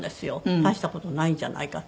大した事ないんじゃないかって。